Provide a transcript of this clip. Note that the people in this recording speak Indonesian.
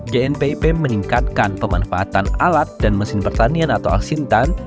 gnpip meningkatkan pemanfaatan alat dan mesin pertanian atau alsintan